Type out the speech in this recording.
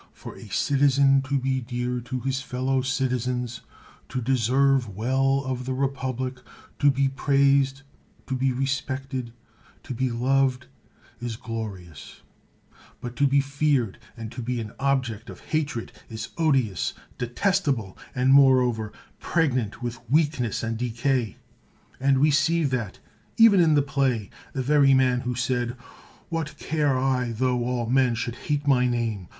For a citizen to be dear to his fellow citizens, to deserve well of the republic, to be praised, to be respected, to be loved, is glorious ; but to be feared, and to be an object of hatred, is odious, detestable; and moreover, pregnant with weakness and decay. And we see that, even in the play, the very man who said, 'n/Vhat care I tho all men should hate my name.